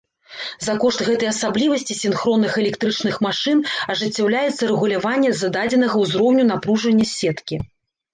За кошт гэтай асаблівасці сінхронных электрычных машын ажыццяўляецца рэгуляванне зададзенага ўзроўню напружання сеткі.